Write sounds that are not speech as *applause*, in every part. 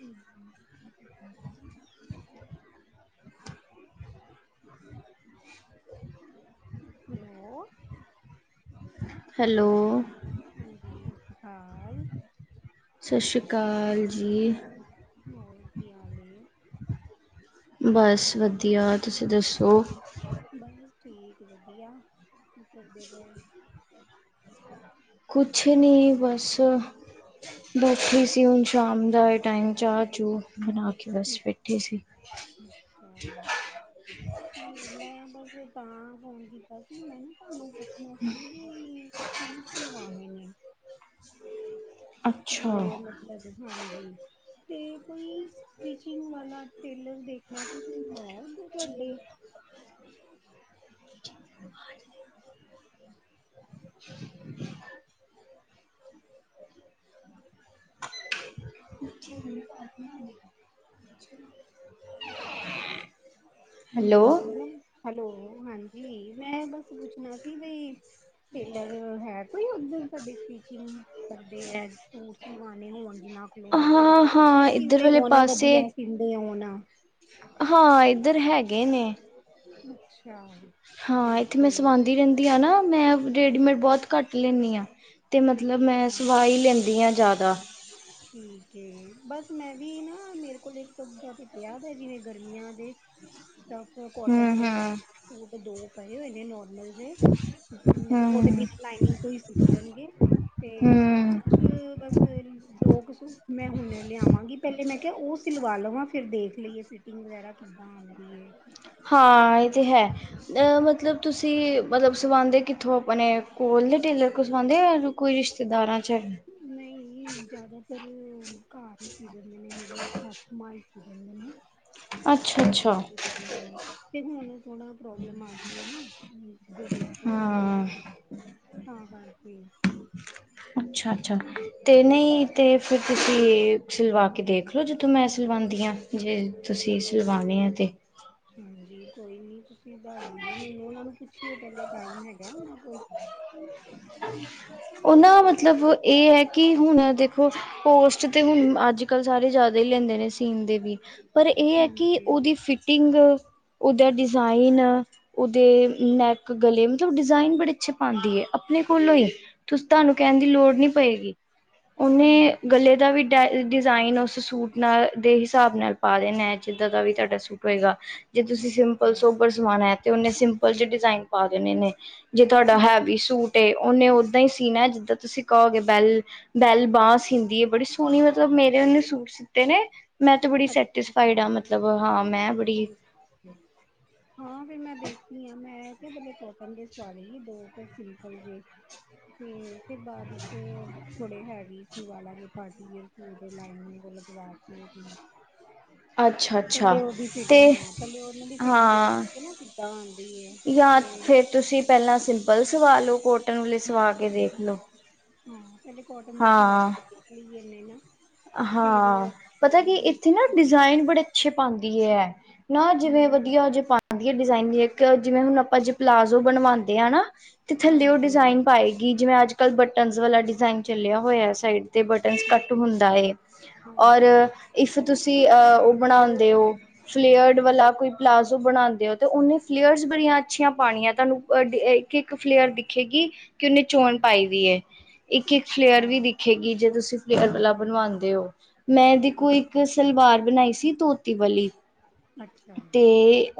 Hello ਸਤਿ ਸ਼੍ਰੀ ਅਕਾਲ ਜੀ। *unintelligible* ਹੈਲੋ। ਹੈਲੋ। ਹਾਂਜੀ, ਸਤਿ ਸ਼੍ਰੀ ਅਕਾਲ। ਸਤਿ ਸ਼੍ਰੀ ਅਕਾਲ ਜੀ। ਹੋਰ ਕੀ ਹਾਲ ਨੇ? ਬਸ ਵਧੀਆ ਤੁਸੀਂ ਦੱਸੋ? ਬਸ ਠੀਕ ਵਧੀਆ ਕੀ ਕਰਦੇ ਪਏ। ਕੁਛ ਨਹੀਂ ਬਸ ਬੈਠੀ ਸੀ, ਹੁਣ ਸ਼ਾਮ ਦਾ ਟਾਈਮ ਚਾਹ ਚੂ ਬਣਾ ਕੇ ਬਸ ਬੈਠੇ ਸੀ। ਅੱਛਾ। ਤੇ ਮੈਂ ਬਸ ਤਾਂ ਫ਼ੋਨ ਕੀਤਾ ਸੀ ਮੈਨੂੰ ਤੁਹਾਨੂੰ ਪੁੱਛਣਾ ਸੀ ਵੀ ਸੂਟ ਸੀਲਵਾਣੇ ਨੇ ਅੱਛਾ ਹੁਣੇ ਮਤਲਬ ਹਾਂਜੀ। ਤੇ ਕੋਈ ਸਟਿਚਿੰਗ ਵਾਲਾ ਟੇਲਰ ਦੇਖਣਾ ਸੀ ਕੋਈ ਹੈ ਉੱਧਰ ਤੁਹਾਡੇ *inaudible* *inaudible* *unintelligible* ਹੈਲੋ ਹਮ ਮੈਂ ਹੈਲੋ ਹਾਂਜੀ ਮੈਂ ਬਸ ਪੁੱਛਣਾ ਸੀ ਬਈ ਟੇਲਰ ਹੈ ਕੋਈ ਓਧਰ ਤੁਹਾਡੇ ਸਟੀਚਿੰਗ ਕਰਦੇ ਹੈ, ਸੂਟ ਸਿਲਵਾਣੇ ਹੋਣ ਜਿਨਾ ਕੋਲੋ ਹਾਂ ਹਾਂ ਅੱਛੇ ਇੱਧਰ ਸਿਦੇ ਵਾਲੇ ਹੋਣ ਪਾਸੇ ਵਧੀਆ ਸੀਦੇ ਹੋਣ ਹਾਂ ਇੱਧਰ ਹੈਗੇ ਨੇ ਅੱਛਾ। ਹਾਂ ਇੱਥੇ ਠੀਕ ਮੈਂ ਏ ਸਵਾਉਂਦੀ ਰਹਿੰਦੀ ਹ ਨਾ, ਮੈਂ ਰੇਡੀਮੇਡ ਬਹੁਤ ਘੱਟ ਲੈਂਦੀ ਹਾਂ। ਤੇ ਮਤਲਬ ਮੈਂ ਹਾਂ ਸਵਾ ਹੀ ਲੈਂਦੀ ਹਾਂ ਜ਼ਿਆਦਾ। ਠੀਕ ਹੈ ਬਸ ਮੈਂ ਵੀ ਨਾ ਮੇਰੇ ਕੋਲ ਇੱਕਦਾਂ ਤੇ ਪਿਆ ਦਾ ਜਿਵੇਂ ਗਰਮੀਆਂ ਦੇ *inaudible* ਸਟਫ ਕੋਟਨ ਹਮ ਦੇ ਹਮ ਸੂਟ ਦੋ ਪਏ ਹੋਏ ਨੇ ਨੋ ਜੇ ਮਤਲਬ ਉਹਦੇ ਬ ਹਮ ਲਾਈਨਿੰਗ ਤੋਂ ਹੀ ਸਿੱਪ ਜਾਣਗੇ ਤੇ ਹਮ ਕੁਛ ਬਸ ਦੋ ਕੁ ਸੂਟ ਮੈਂ ਹੁਣ ਲਿਆਵਾਂਗੀ ਪਹਿਲੇ ਮੈਂ ਕਿਹਾ ਉਹ ਸਿਲਵਾ ਲਵਾਂ ਫੇਰ ਦੇਖ ਲਈਏ ਫਿਰ ਫਟਿੰਗ ਵਗੈਰਾ ਕਿੱਦਾਂ ਆਉਂਦੀ ਏ ਹਾਂ ਇਹ ਤੇ ਹੈ। ਅ ਮਤਲਬ ਤੁਸੀਂ ਮਤਲਬ ਸਵਾਾਉਂਦੇ ਕਿੱਥੋਂ ਆਪਣੇ ਕੋਲ ਦੇ ਟੇਲਰ ਕੋਲ ਸਵਾਉਂਦੇ ਯਾ ਕੋਈ ਰਿਸ਼ਤੇਦਾਰਾਂ 'ਚ ਨਹੀਂ ਜਿਆਦਾਤਰ ਘਰ ਹੀ ਸੀ ਦਿੰਦੇ ਨੇ ਮੇਰੀ ਸਾਸ ਮਾਂ ਹੀ ਸੀ ਦਿੰਦੇ ਨੇ ਅੱਛਾ ਹਾਂਜੀ ਅੱਛਾ ਕੀ ਹਾਂ ਤੇ ਹੁਣ ਥੋੜਾ ਪ੍ਰੋਬਲਮ ਆ ਗਈ ਹੈ ਨਾ ਗੋਡੇ ਚਲਦੀ ਹਾਂ ਤਾ ਕਰਕੇ ਅੱਛਾ-ਅੱਛਾ। ਤੇ ਨਹੀਂ ਤੇ ਫਿਰ ਤੁਸੀਂ ਸਿਲਵਾ ਕੇ ਦੇਖਲਓ ਜਿਥੋ ਮੈਂ ਸਿਲਵਾਂਦੀ ਹਾਂ। ਜੇ ਤੁਸੀਂ ਸਿਲਵਾਣੇ ਆ ਤੇ ਹਾਂਜੀ ਕੋਈ ਨੀ ਤੁਸੀਂ ਦੱਸ ਦਿਓ ਮੈਨੂੰ ਉਹਨਾਂ ਨੂੰ ਪੁੱਛਿਓ ਪਹਿਲੇ। ਟਾਈਮ ਹੈਗਾ ਉਹਨਾਂ ਕੋਲ *unintelligible* ਉਹਨਾਂ ਮਤਲਬ ਇਹ ਹੈ ਕਿ ਹੁਣ ਦੇਖੋ ਪੋਸਟ ਤੇ ਹੁਣ ਅੱਜ-ਕੱਲ ਸਾਰੇ ਜ਼ਿਆਦਾ ਹੀ ਲੈਂਦੇ ਨੇ ਸੀਨ ਦੇ ਵੀ। ਪਰ ਇਹ ਹੈ ਕਿ ਹਾਂਜੀ ਉਹਦੀ ਫਿਟ ਫੀਟਿੰਗ, ਓਦਾ ਡਿਜ਼ਾਇਨ, ਓਦੇ ਨੈਕ ਗਲੇ ਮਤਲਬ ਡਿਜਾਇਨ ਬੜੇ ਅੱਛੇ ਪਾਂਦੀ ਏ ਆਪਣੇ ਕੋਲੋਂ ਹੀ ਤੁਂ ਤੁਹਾਨੂੰ ਕਹਿਣ ਦੀ ਲੋੜ ਨੀ ਪਏਗੀ। ਹਮ ਉਹਨੇ ਗਲੇ ਦਾ ਵੀ ਡ ਡਿਜ਼ਾਇਨ ਉਸ ਸੂਟ ਨਾਲ ਦੇ ਹਿਸਾਬ ਨਾਲ ਪਾ ਦੇਣਾ ਜਿੱਦਾਂ ਦਾ ਵੀ ਤੁਹਾਡਾ ਸੂਟ ਹੋਏਗਾ। ਜੇ ਤੁਸੀਂ ਸਿੰਪਲ ਅੱਛਾ ਸੋਬਰ ਸਵਾਣਾ ਤੇ ਉਹਨੇ ਸਿੰਪਲ ਜੇ ਡਿਜ਼ਾਇਨ ਪਾ ਦੇਣੇ ਨੇ ਜੇ ਤੁਹਾਡਾ ਹੈਵੀ ਸੂਟ ਏ ਉਹਨੇ ਉਦਾਂ ਹੀ ਸੀਣਾ ਜਿੱਦਾਂ ਤੁਸੀਂ ਕਹੋਗੇ ਬੈਲ ਬੈਲ ਬਾਂ ਸੀਂਦੀ ਏ ਬੜੀ ਸੋਹਣੀ ਮਤਲਬ ਮੇਰੇ ਉਹਨੇ ਸੂਟ ਸੀਤੇ ਨੇ ਮੈਂ ਤਾਂ ਬੜੀ ਸੈਟਿਸਫਾਈਡ ਅੱਛਾ ਹਾਂ ਮਤਲਬ ਹਾਂ ਮੈਂ ਬੜੀ ਠੀਕ ਹੈ। ਹਾਂ ਫਿਰ ਮੈਂ ਦੇਖਦੀ ਹਾਂ ਮੈਂ ਕਿ ਪਹਿਲੇ ਕੋਟਨ ਦੇ ਸਵਾ ਲੀਯੇ ਦੋ ਕੁ ਸਿੰਪਲ ਜੇ। ਤੇ ਫਿਰ ਬਾਅਦ ਇਚ ਥੋੜੇ ਹੈਵੀ ਸਿਲਵਾਲਾਂਗੇ ਪਾਰਟੀ ਵੀਅਰ ਲਾਈਨੀੰਗ ਲਗਵਾ ਕੇ ਅੱਛਾ ਅੱਛਾ ਪਹਿਲੇ ਉਹਦੀ ਫਿਟਿੰਗ ਤੇ ਹਾਂ ਪਹਿਲੇ ਉਹਨਾਂ ਦੀ ਫਿਟਿੰਗ ਦੇਖ ਲੲਏ ਨਾ ਕਿੱਦਾਂ ਆਂ ਯਾ ਫੇਰ ਤੁਸੀਂ ਪਹਿਲਾਂ ਸਿੰਪਲ ਸਵਾ ਲਓ ਕੋਟ ਹਾਂਜੀ ਹਾਂ ਹਾਂ ਪਹਿਲੇ ਕੋਟਨ ਦਾ ਸਿਲਵਾ ਹਾਂ ਕੇ ਦੇਖ ਲਈ ਇ ਨਾ। ਫਿਰ ਹਾਂ ਪਤਾ ਇਹ ਕੀ ਵੀ ਇੱਥੇ ਨਾ ਡਿਜ਼ਾਇਨ ਬੜੇ ਪੱਛੇ ਪਾਂਦੀ ਏ ਐ ਨਾ ਇਹ ਨਾ ਜਿਵੇਂ ਹੂੰ ਵਧੀਆ ਦੇ ਪਾ ਵਧੀਆ ਡਿਜ਼ਾਇਨ ਜਿਵੇਂ ਹੁਣ ਆਪਾਂ ਦੇ ਪਲਾਜੋ ਬਣਵਾਉਂਦੇ ਹਾਂ ਨਾ ਤੇ ਥੱਲੇ ਉਹ ਹਾਂਜੀ ਡਿਜ਼ਾਇਨ ਪਾਏਗੀ ਜਿਵੇਂ ਅੱਜ-ਕੱਲ੍ਹ ਬਟਨਸ ਵਾਲਾ ਡਿਜ਼ਾਇਨ ਚੱਲਿਆ ਹੋਇਆ ਸਾਈਡ ਤੇ ਬਟਨਸ ਕੱਟ ਠੀਕ ਹੁੰਦਾ ਹੈ ਏ ਔਰ ਹਾਂਜੀ ਇਫ ਤੁਸੀਂ ਅ ਉਹ ਬਣਾਉਂਦੇ ਓ ਫਲੇਅਰਡ ਵਾਲਾ ਕੋਈ ਪਲਾਜ਼ੋ ਬਣਾਉਂਦੇ ਹੋ ਤੇ ਉਹਨੇ ਫਲੇਅਰਸ ਬੜੀਆਂ ਅੱਛੀਆਂ ਪਾਣੀਆਂ ਤੁਹਾਨੂੰ ਅ ਇੱਕ ਫਲੇਅਰ ਦਿਖੇਗੀ। ਕਿ ਉਹਨੇ ਚੋਣ ਪਾਈ ਦੀ ਏ ਇੱਕ-ਇੱਕ ਫਲੇਅਰ ਅੱਛਾ ਵੀ ਦਿਖੇਗੀ ਜੇ ਤੁਸੀਂ ਫਲੇਅਰ ਵਾਲਾ ਹੂੰ ਬਣਵਾਦੇ ਓ ਮੈਂ ਇਹ ਦੇ ਠੀਕ ਕੋ ਇੱਕ ਸਲਵਾਰ ਬਣਾਈ ਸੀ ਧੋਤੀ ਵਾਲੀ ਅੱਛਾ ਤੇ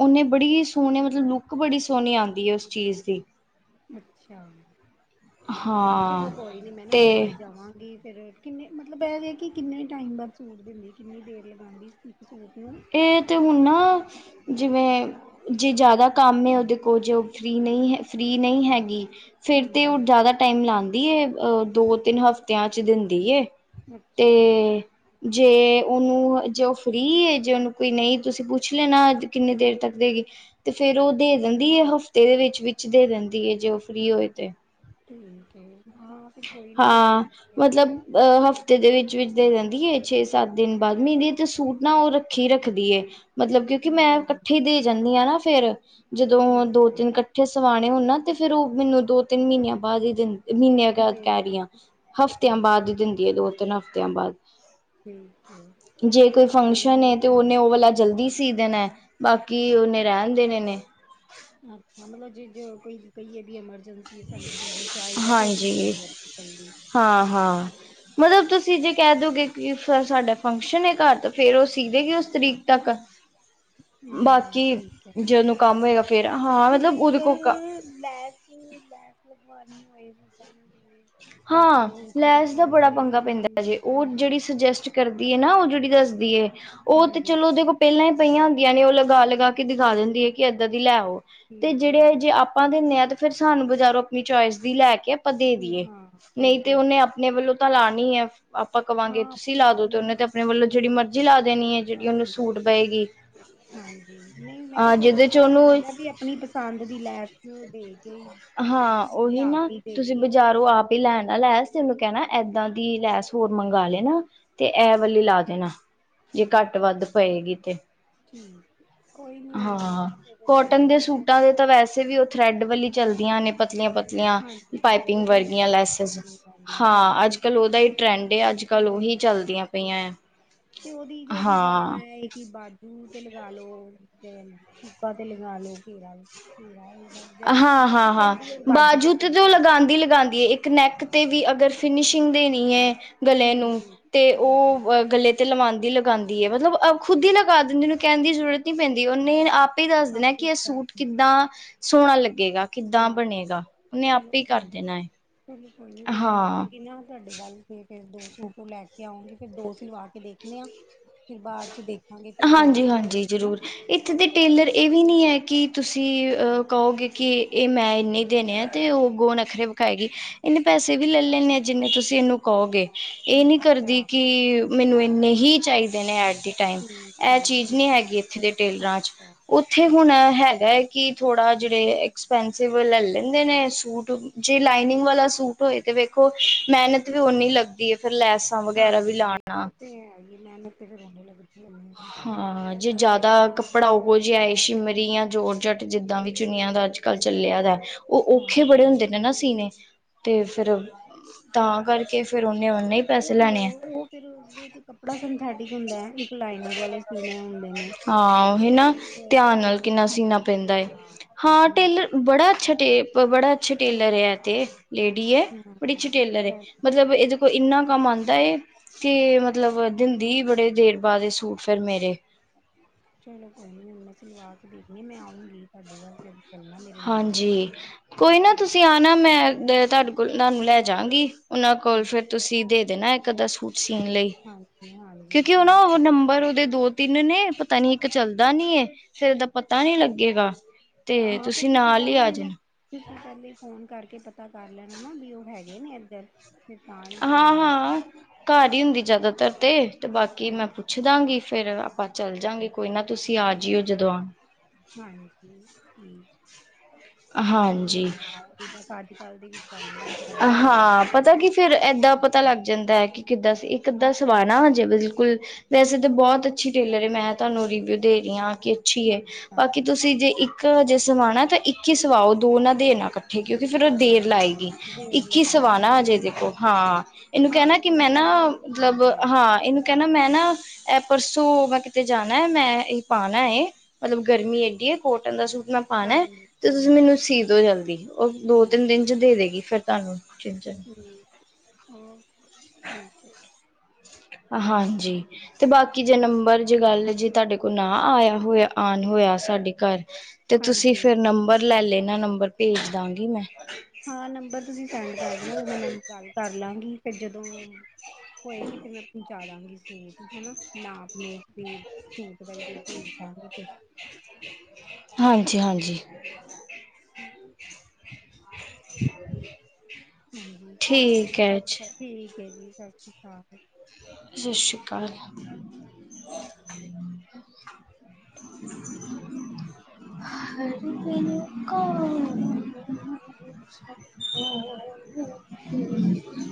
ਓਨੇ ਬੜੀ ਸੋਹਣੇ ਮਤਲਬ ਲੁੱਕ ਬੜੀ ਸੋਹਣੀ ਆਦੀ ਏ ਉਸ ਚੀਜ਼ ਦੀ। ਅੱਛਾ ਹਾਂ ਚਲੋ ਕੋਈ ਨੀ ਮੈਂ ਨਾ ਦੇ ਤੇ ਕੇ ਜਾਵਾਂਗੀ। ਫਿਰ ਕਿੰਨੇ ਮਤਲਬ ਇਹ ਦੇ ਕਿੰਨੇ ਟਾਈਮ ਬਾਅਦ ਸੂਟ ਦਿੰਦੀ ਕਿੰਨੀ ਦੇਰ ਲਗਾਂਦੀ ਇੱਕ ਸੂਟ ਨੂੰ? ਇਹ ਤੇ ਹੁਣ ਨਾ ਜਿਵੇਂ ਜੇ ਜ਼ਿਆਦਾ ਕੰਮ ਉਹਦੇ ਕੋਲ ਜੇ ਉਹ ਫਰੀ ਨਹੀਂ ਹੈ ਫ੍ਰਰੀ ਨਹੀਂ ਹੈਗੀ ਫੇਰ ਤੇ ਉਹ ਹਾਂਜੀ ਜ਼ਿਆਦਾ ਟਾਈਮ ਲਾਂਦੀ ਏ ਅਹ ਦੋ-ਤਿੰਨ ਹਫਤਿਆਂ ਚ ਦਿੰਦੀ ਏ। ਅੱਛਾ ਤੇ ਜੇ ਉਹਨੂੰ ਜੇ ਉਹ ਫ੍ਰਰੀ ਏ। ਜੇ ਉਹਨੂੰ ਕੋਈ ਨਹੀਂ ਤੁਸੀਂ ਪੁੱਛ ਲੈਣਾ ਕਿੰਨੀ ਦੇਰ ਤੱਕ ਦੇਗੀ? ਤੇ ਫੇਰ ਉਹ ਦੇ ਦਿੰਦੀ ਹੈ ਹਫ਼ਤੇ ਦੇ ਵਿੱਚ-ਵਿੱਚ ਦੇ ਦਿੰਦੀ ਹੈ ਜੇ ਉਹ ਫ੍ਰਰੀ ਹੋਏ ਤੇ। ਠੀਕ ਏ ਆ ਹਾਂ ਮਤਲਬ ਅ ਹਫ਼ਤੇ ਦੇ ਵਿੱਚ-ਵਿਚ ਦੇ ਦਿੰਦੀ ਏ ਛੇ-ਸੱਤ ਦਿਨ ਬਾਦ ਮੇਰੇ ਤੇ ਸੂਟ ਨਾ ਉਹ ਰੱਖੀ ਰੱਖਦੀ ਏ। ਮਤਲਬ ਕਿਉਂਕਿ ਮੈਂ ਹਾਂ ਇਕੱਠੇ ਦੇ ਜਾਂਣੀ ਹਾਂ ਨਾ ਫੇਰ ਜਦੋਂ ਠੀਕ ਦੋ- ਹੈ ਤਿੰਨ ਥੇ ਸਵਾਣੇ ਹੋਣ ਨਾ ਤੇ ਫੇਰ ਉਹ ਮੈਨੂੰ ਦੋ ਤਿੰਨ ਮਹੀਨਿਆਂ ਬਾਅਦ ਹੀ ਦ ਮਹੀਨੇ ਦੇ ਕਹਿ ਰਹੀ ਹਾਂ ਹਫ਼ਤਿਆਂ ਦਿੱਤਾ ਬਾਦ ਹੀ ਦਿੰਦੀ ਏ ਦੋ-ਤਿੰਨ ਹਫ਼ਤਿਆਂ ਬਾਦ। ਠੀਕ ਹੈ ਜੇ ਕੋਈ ਚਲੋ ਫੰਕਸ਼ਨ ਨੀ ਏ ਤੇ ਹਾਂ ਉਹਨੇ ਉਹ ਵਾਲਾ ਜਲਦੀ ਸੀ ਦੇਣਾ ਬਾਕੀ ਉਹਨੇ ਰਹਿਣ ਦੇਣੇ ਨੇ। ਅੱਛਾ ਮਤਲਬ ਜੇ ਜੋ ਕੋਈ ਕਈਏ ਵੀ ਐਮਰਜੈਂਸੀ ਸਾਨੂੰ ਜ਼ਰੂਰੀ ਚਾਹੀਦਾ ਫੇਰ ਕੀ ਦਿੰਦੇ ਟਿਕਣ ਲਈ। ਹਾਂ-ਹਾਂ। ਮਤਲਬ ਤੁਸੀਂ ਜੇ ਕਹਿ ਦੋਗੇ ਕਿ ਸਰ ਸਾਡਾ ਫੰਕਸ਼ਨ ਹੈ ਘਰ, ਤਾਂ ਫੇਰ ਉਹ ਸੀ ਦੇਗੀ ਉਸ ਤਰੀਕ ਤੱਕ। ਹੂ, ਬਾਕੀ ਠੀਕ ਹੈ ਜੇ ਉਹਨੂੰ ਕੰਮ ਹੋਏਗਾ ਫੇਰ ਹਾਂ ਤੇ ਮਤਲਬ ਜੇ ਉਹਦੇ ਕੋਲ ਅਗਰ- ਲੈਸ, ਲੈਸ ਲਗਵਾਣੀ ਹੋਏ ਜਿੱਦਾਂ-ਜਿਵੇਂ। ਹਾਂ, ਲੈਸ ਦਾ ਬੜਾ ਪੰਗਾ ਉਹਨਾਂ ਪੈਂਦਾ ਜੇ, ਉਹ ਨੂੰ ਹਾਂ ਜਿਹੜੀ ਸੁਜੈਸਟ- ਕਰਦੀ ਹੈ ਨਾ ਉਹ ਜਿਹੜੀ ਦੱਸਦੀ ਏ, ਉਹ ਤੇ ਹਾਂਜੀ ਚਲੋ ਉਹਦੇ - ਪਹਿਲਾਂ ਹੀ ਪਈਆਂ ਹੁੰਦੀਆਂ ਨੇ ਉਹ ਲਗਾ ਲਗਾ ਕੇ ਦਿਖਾ ਦਿੰਦੀ ਹੈ। ਕਿ ਇੱਦਾਂ ਦੀ ਲੈ ਆਓ ਤੇ ਠੀਕ ਹੈ ਜਿਹੜੇ ਜੇ ਆਪ- ਆਪਾਂ ਦਿੰਦੇ ਹਾਂ ਤੇ ਫਿਰ ਸਾਨੂੰ ਬਜ਼ਾਰੋਂ ਆਪਣੀ ਚੋਇਸ ਦੀ ਲੈ ਕੇ ਆਪਾਂ ਦੇ ਆਪਣੇ ਦਈਏ। ਹਾਂ ਨਹੀਂ ਫਿਰ ਤੇ ਦੇ ਉਹਨੇ ਆਪਣੇ ਵੱਲੋਂ ਤਾਂ ਲਾਉਣੀ ਹੈ। ਆਪਾਂ ਕਹਾਂਗੇ ਹਾਂ ਤੁਸੀਂ ਆਪਣੇ ਲਾ ਦੋ ਤੇ ਆਪਣਾ ਉਹਨੇ ਤੇ ਆਪਣੇ ਵੱਲੋਂ ਜਿਹੜੀ ਮਰਜ਼ੀ ਲਾ ਦੇਣੀ ਹੈ, ਜਿਹੜੀ ਉਹਨੂੰ ਸੂਟ ਪਏਗੀ। ਹਾਂਜੀ, ਨਹੀਂ ਮੈਂ ਕਿਹਾ ਅਹ ਫਿਰ ਜਿਹਦੇ ਉਹ ਚ ਇਹ ਹੋ ਉਹਨੂੰ ਜਾਂਦਾ ਵੀ ਆਪਣੀ ਪਸੰਦ ਦੀ ਲੈਸ- ਦੇ ਕੇ ਹਾਂ ਉਹੀ ਲਿਆ ਨਾ ਕੇ ਹੀ ਦੇ ਤੁਸੀਂ ਦੀਏ ਬਾਜ਼ਾਰੋ ਆਪ- ਲੈ ਆਣਾ ਲੈਸ, ਉਹਨੂੰ ਕਹਿਣਾ ਏਦਾਂ ਦੀ ਲੈਸ ਹੋਰ ਮੰਗਵਾ ਲੈਣਾ। ਤੇ ਇਹ ਠੀਕ ਵਾਲੀ ਲਾ ਦੇਣਾ, ਜੇ ਘੱਟ ਵੱਧ ਪਏਗੀ ਤੇ, ਠੀਕ ਕੋਈ ਨੀ ਮੈਂ ਹਾਂ, ਆਊਂਗੀ ਫੇਰ ਤੁਹਾਡੇ ਕੋਟਨ ਦੇ ਵੱਲ ਫੇਰ ਸੂਟਾਂ ਦੇ ਤਾਂ ਵੈਸੇ- ਵੈਸੇ ਵੀ ਉਹ ਥਰੈਡ ਵਾਲੀ ਚਲਦੀਆਂ ਨੇ ਪਤਲੀਆਂ- ਪਤਲੀਆਂ। ਹਾਂਜੀ ਪਤਲੀ ਉਹ ਪਾਈਪਿੰਗ ਬਰੀਕ ਵਰਗੀਆਂ ਵਾਲੀ ਲੈਸਿਸ, ਹਾਂਜੀ ਵਧੀਆ ਹਾਂ ਹਾਂਜੀ ਅੱਜ ਕੱਲ ਉਹਦਾ ਹੀ- ਟਰੈਂਡ ਆ ਅੱਜ ਕੱਲ ਉਹਦਾ ਹੀ ਉਹੀ ਚੱਲਦੀਆਂ ਪਈਆਂ ਤੇ ਉਹਦੀ ਜੋ ਵੀ ਜ਼ਿਆਦਾ ਹਾਂ। ਹੈ ਕਿ ਬਾਜੂ ਤੇ ਲਗਾ ਲੋ ਤੇ ਚੂਕਾਂ ਤੇ ਲਗਾ ਲੋ, ਘੇਰਾ-ਘੇਰਾ ਹੈਗਾ। ਹਾਂ, ਹਾਂ, ਹਾਂ, ਬਾਜੂ ਤੇ ਤੇ ਉਹ ਹੈ ਲਗਾਉਂਦੀ-ਲਗਾਉਂਦੀ ਹੈ। ਇੱਕ- ਨੈਕ ਤੇ ਵੀ ਅਗਰ ਫਿਨਿਸ਼ਿੰਗ ਦੇਣੀ ਹੈ ਗਲੇ ਨੂੰ ਹਾਂਜੀ ਤੇ ਹਾਂਜੀ ਉਹ ਗਲੇ- ਤੇ ਲਵਾਉਂਦੀ-ਲਗਾਉਦੀ ਹੈ ਮਤਲਬ ਖੁਦ ਹੀ ਲਗਾ ਦਿੰਦੀ। ਓਹਨੂੰ ਕਹਿਣ ਦੀ ਜ਼ਰੂਰਤ ਨਹੀਂ - ਨਹੀਂ ਪੈਂਦੀ। ਉਹਨੇ ਹੂੰ ਆਪ ਹੀ ਦੱਸ ਦੇਣਾ ਕਿ ਆਪੇ ਇਹ ਲਗਾ ਸੂਟ ਕੇ ਕਿੱਦਾਂ ਸੋਹਣਾ ਲੱਗੇਗਾ। ਕਿੱਦਾਂ ਸੋਹਣਾ ਬਣੇਗਾ ਉਹਨੇ ਚਲੋ ਆਪੇ ਕਰ ਮੈਂ ਦੇਣਾ ਏ। ਚਲੋ ਕੋਈ ਨਹੀਂ, ਫਿਰ ਮੈਂ ਆਵਾਂਗੀ ਨਾ ਤੁਹਾਡੇ ਵੱਲ। ਫਿਰ, ਫਿਰ ਦੋ ਸੂਟ ਲੈ ਕੇ ਆਉਗੀ ਫਿਰ ਦੋ ਸਿਲਵਾ ਕੇ ਦੇਖਣੇ ਆ। ਫਿਰ ਬਾਅਦ 'ਚ ਦੇਖਾਂਗੇ ਫਿਰ ਹੋਰ ਹਾਂਜੀ-ਹਾਂਜੀ ਹੈਨਾ। ਜ਼ਰੂਰ ਇੱਥੇ ਤੇ ਟੇਲਰ ਇਹ ਵੀ ਨਹੀਂ ਹੈ ਕਿ ਤੁਸੀਂ ਕਹੋਗੇ ਕਿ ਇਹ ਮੈਂ ਇੰਨੇ ਦੇਣੇ ਆ। ਤੇ ਉਹ ਹੁਣ ਨੱਖਰੇ ਵਿਖਾਏਗੀ। ਇਹਨੇ ਪੈਸੇ ਵੀ ਲੈ ਲੈਣੇ ਆ ਜਿਵੇਂ ਤੁਸੀਂ ਇਹਨੂੰ ਕਹੋਗੇ। ਇਹ ਨੀ ਕਰਦੀ ਅੱਛਾ ਕਿ ਮੈਨੂੰ ਇਨੇ ਹੀ ਚਾਹੀਦੇ ਨੇ ਆਖਿਰ। ਟਾਈਮ ਠੀਕ ਇਹ ਹੈ ਚੀਜ਼ ਠੀਕ ਨਹੀਂ ਹੈਗੀ ਇੱਥੇ ਦੇ ਟੇਲਰਾਂ ਚ, ਅੱਛਾ ਉ- ਇੱਥੇ ਹੁਣ ਹੈਗਾ ਹੈ ਕਿ ਥੋੜਾ ਜਿਹੜੇ ਐਕਸਪੈਂਸਿਵ ਲੈ ਲੈਂਦੇ ਨੇ ਸੂਟ। ਜੇ ਲਾਈਨਿੰਗ ਵਾਲਾ ਸੂਟ ਹੋਏ ਤੇ ਵੇਖੋ ਮਿਹਨਤ ਵੀ ਉਨੀ ਲੱਗਦੀ ਏ ਫਿਰ ਲੈਸ- ਹਾਂਜੀ, ਉਹ ਤੇ ਹੈਗੀ ਮਿਹਨਤ ਤੇ ਫਿਰ ਉਨੀ ਲੱਗਦੀ। ਹਾਂ, ਜੇ ਜ਼ਿਆਦਾ ਕੱਪੜਾ ਉਹੋ ਜਿਹਾ ਏ ਸ਼ਿਮਰੀ ਜਾਂ ਜੋਰ ਜੱਟ ਜਿੱਦਾਂ ਵੀ ਚੁੰਨੀਆ ਦਾ ਅੱਜ- ਅੱਜ ਕੱਲ ਚੱਲਿਆ ਦਾ। ਉਹ ਔਖੇ ਬੜੇ ਹਾਂਜੀ, ਹੁੰਦੇ ਨੇ ਨਾ ਸੀਣੇ। ਤੇ ਫਿਰ ਤਾਂ ਕਰਕੇ ਫਿਰ ਉਹਨੇ ਓਨੇ - ਉਹ-ਉਹ ਫਿਰ ਇਕ ਕੱਪੜਾ ਸਿੰਥੈਟਿਕ ਹੁੰਦਾ ਹੈ ਜੀ। ਹਾਂ, ਉਹੀ ਫਿਰ ਨਾ ਉਹ ਤੇ ਧਿਆਨ ਨਾਲ ਮਿਹਨਤ ਕਿੰਨਾ ਸੀਣਾ ਪੈਂਦਾ ਹੈ। ਹਾਂ ਉਹ ਹਾਂ ਤੇ ਹੈ ਟੇਲਰ ਬੜਾ ਅੱਛਾ, ਟੇਲ ਬੜਾ ਅੱਛਾ ਟੇਲਰ ਹੈ ਇਹ ਤੇ। ਲੇਡੀ ਹੈ ਬੜੀ ਅੱਛੀ ਹਮ ਟੇਲਰ ਹੈ ਚਲ ਮਤਲਬ ਇਹ- ਕੋਈ ਇੰਨਾ ਕੰਮ ਆਂਦਾ ਹੈ ਕਿ ਮਤਲਬ ਦਿੰਦੀ ਬੜੇ ਦੇਰ ਬਾਅਦ ਇਹ ਸੂਟ ਫਿਰ ਮੇਰੇ। ਚਲੋ ਕੋਈ ਨੀ ਹੁਣ ਮੈਂ ਸਿਲਵਾ ਕੇ ਦੇਖਣੀ ਮੈਂ ਆਊਂਗੀ ਤੁਹਾਡੇ ਵੱਲ ਫਿਰ। ਚੱਲਣਾ ਮੇਰੇ ਨਾਲ ਹਾਂਜੀ, ਕੋਈ ਨਾ ਤੁਸੀਂ- ਤੁਸੀਂ ਆਣਾ ਮੈਂ ਤੁਹਾਡਾ ਕੋਲ, ਤੁਹਾਨੂੰ ਲੈ ਜਾਵਾਂਗੀ ਉਹਨਾਂ ਕੋਲ ਠੀਕ ਫਿਰ ਤੁਸੀਂ ਦੇ ਦੇਣਾ ਇੱਕ ਅੱਧਾ ਸੂਟ। ਸੀਨ ਲਈ ਹਾਂਜੀ ਹਾਂਜੀ ਕਿਉਂਕਿ ਉਹ ਠੀਕ ਨਾ ਨੰਬਰ ਉਹਦੇ ਦੋ- -ਤਿੰਨ ਨੇ ਪਤਾ ਨੀ ਇੱਕ ਚੱਲਦਾ ਨੀ ਫਿਰ ਇਹਦਾ ਪਤਾ ਨੀ ਲੱਗੇਗਾ ਤੇ- ਹਾਂ ਫਿਰ ਤੁਸੀਂ ਨਾਲ ਹੀ ਪਹਿਲੇ ਆ ਮੈਨੂੰ- ਜਾਣਾ ਤੁਸੀਂ ਪਹਿਲੇ ਫੋਨ ਕਰਕੇ ਪਤਾ ਕਰ ਲੈਣਾ ਨਾ, ਵੀ ਉਹ ਹੈਗੇ ਨੇ ਏਧਰ। ਹਾਂ-ਹਾਂ, ਘਰ ਈ ਹੁੰਦੀ ਜ਼ਾਦਾਤਰ ਤੇ। ਤੇ ਬਾਕੀ ਠੀਕ ਮੈਂ ਪੁੱਛ ਦਾਂਗੀ ਫੇਰ ਆਪਾਂ ਚੱਲ ਜਾਂਗੇ ਕੋਈ ਨਾ ਤੁਸੀਂ ਆ ਜਇਓ ਜਦੋਂ ਆਨ। ਹਾਂਜੀ, ਠੀ ਕੋਈ ਨੀ ਹਾਂਜੀ ਮੈਂ ਆਉਂਗੀ ਬਸ ਅੱਜ ਕੱਲ ਦੇ ਵਿੱ ਹਾਂ, ਪਤਾ ਕੀ ਫੇਰ ਏਦਾਂ ਪਤਾ ਲੱਗ ਜਾਂਦਾ ਐ ਕੀ ਕਿੱਦਾਂ ਸੀ। ਇੱਕ ਅੱਦਾਂ ਸਵਾਨਾ ਜੇ ਬਿਲਕੁੱਲ ਵੈਸੇ ਤੇ ਬੋਤ ਅੱਛੀ ਟੇਲਰ ਏ। ਮੈਂ ਤੁਹਾਨੂੰ ਰਿਵਿਊ ਦੇ ਰੀ ਆਂ ਕਿ ਅੱਛੀ ਏ। ਅੱਛਾ ਬਾਕੀ ਤੁਸੀਂ ਜੇ ਇੱਕ ਹਜੇ ਸਵਾਨਾ ਤਾਂ ਇੱਕ ਹੀ ਸਵਾਓ ਦੋ ਨਾ ਦੇਨਾ ਕੱ ਠੇ ਕਿਉਂਕਿ ਫੇਰ ਓ ਦੇਰ ਠੀਕ ਹੈ ਲਾਏਗੀ। ਦੇਰ ਇੱਕ ਈ ਲਗਾਏ ਸਵਾਨਾ ਅਜੇ ਏਦੇ ਕੋ, ਹਾਂ। ਏਨੂੰ ਹਾਂ ਕੈਨਾ ਫਿਰ ਕਿ ਥੋੜਾ ਮੈਂ ਨਾ ਕਹਿ ਦਾਂਗੇ ਮਤਲਬ ਹਾਂਜੀ ਹਾਂ, ਏਨੂੰ ਕੈਨਾ ਮੈਂ ਨਾ, ਐ ਪਰਸੋਂ ਮੈਂ ਕਿਤੇ ਜਾਨਾ ਮੈਂ ਏਹ ਪਾਨਾ ਏ। ਮਤਲਬ ਗਰਮੀ ਠੀਕ ਏਡੀ ਏ ਕੋਟਨ ਦਾ ਸੂਟ ਮੈਂ ਪਾਨਾਏ। ਹਾਂਜੀ ਤੇ ਤੁਸੀਂ ਹਾਂਜੀ ਮੈਨੂੰ ਸੀ ਦੋ ਜਲਦੀ। ਓਹ ਦੋ ਠੀਕ ਤਿੰਨ ਦਿਨ ਚ ਦੇ ਦੇਗੀ ਫੇਰ ਤੁਹਾਨੂੰ *unintelligible* ਹੁੰ, ਹਾਂ, ਠੀਕ ਐ। ਹਾਂਜੀ। ਤੇ ਬਾਕੀ ਜੇ ਨੰਬਰ, ਜੇ ਗੱਲ, ਜੇ ਤੁਹਾਡੇ ਕੋਲ ਨਾ ਆਇਆ ਹੋਇਆ, ਆਨ ਹੋਏਆ ਸਾਡੇ ਘਰ ਤੇ ਤੁਸੀਂ ਹਾਂਜੀ ਫੇਰ ਨੰਬਰ ਲੈ ਲੈਨਾ ਨੰਬਰ ਭੇਜ ਦਾਂਗੀ ਮੈਂ। ਹਾਂ, ਨੰਬਰ ਤੁਸੀਂ ਸੈਂਡ ਕਰ ਦੇਨਾ ਓ ਮੈਂ ਨਾ ਗੱਲ ਕਰਲਾਂਗੀ ਫੇਰ ਜਦੋਂ ਹੋਏਗੀ ਫੇਰ ਮੈਂ ਪਹੁੰਚਾ ਦਾਂਗੀ ਸੂਟ ਹੈਨਾ, ਨਾਪ-ਨੂਪ ਵੀ। ਸੂਟ ਬਈ ਤੇ ਭੇਜ ਦਾਂਗੀ ਫੇਰ। ਹਾਂਜੀ-ਹਾਂਜੀ। *unintelligible* *unintelligible* ਹਾਂਜੀ, ਚਲੋ ਜੀ, ਠੀਕ ਹੈ ਅੱਛਾ, ਠੀਕ ਐ ਜੀ, ਸਸ ਸ਼੍ਰੀ ਕਾਲ। ਸਸ ਸ਼੍ਰੀ ਕਾਲ। *inaudible* *unintelligible* *unintelligible*